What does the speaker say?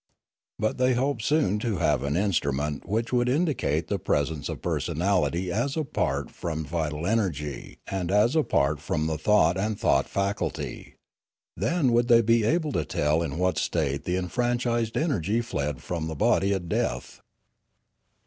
But they hoped soon to have an instrument which would indicate the presence of personality as apart from vital energy, and as apart from the thought and thought faculty. Then would they be able to tell in what state the enfranchised energy fled from the body at death.